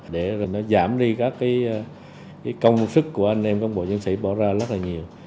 để giảm đi các công sức của anh em cán bộ chiến sĩ bỏ ra rất là nhiều